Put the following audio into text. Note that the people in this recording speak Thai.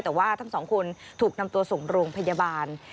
แต่ว่าทั้งสองคนถูกนำตัวส่งโรงพยาบาล